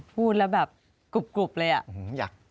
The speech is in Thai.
พูดแล้วแบบกรุบเลยอะ